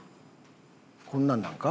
こんなんなんか？